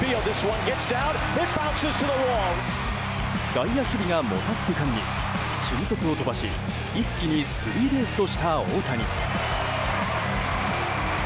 外野守備がもたつく間に俊足を飛ばし一気にスリーベースとした大谷。